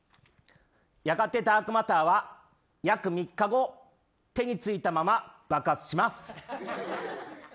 やがて、ダークマターは約３日後手についたまま爆発します。